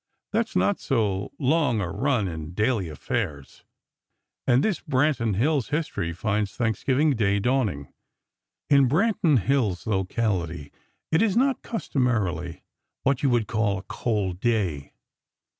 That's not so long a run in daily affairs, and this Branton Hills history finds Thanksgiving Day dawning. In Branton Hill's locality it is not, customarily, what you would call a cold day.